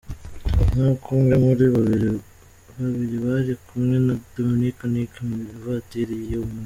Nkuko umwe muri babiri bari kumwe na Dominic Nic mu ivatiri yo mu.